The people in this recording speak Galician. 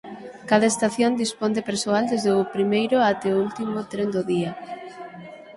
Cada estación dispón de persoal desde o primeiro até o último tren do día.